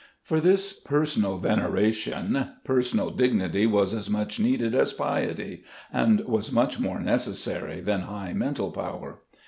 For this personal veneration personal dignity was as much needed as piety, and was much more necessary than high mental power.